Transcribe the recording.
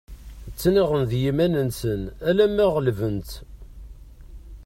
Ttenaɣen d yiman-nsen alamma ɣelben-tt.